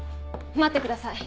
待ってください。